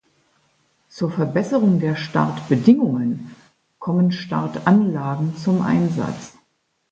Zur Verbesserung der Startbedingungen kommen Startanlagen zum Einsatz.